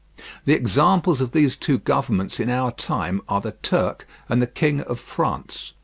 The examples of these two governments in our time are the Turk and the King of France.